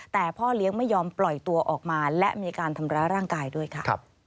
แต่พ่อเลี้ยงไม่ยอมปล่อยตัวออกมาและมีการทำร้ายร่างกายด้วยค่ะ